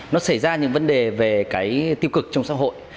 nó xảy ra những vấn đề về cái tiêu cực trong xã hội